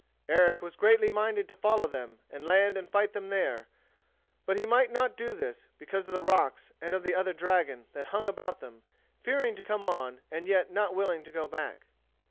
Eric was greatly minded to follow them, and land and fight them there; but he might not do this, because of the rocks and of the other dragon, that hung about them, fearing to come on and yet not willing to go back.